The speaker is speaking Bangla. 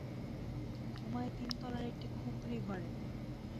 ঘুমাই তিনতলার একটি খুপরি ঘরে।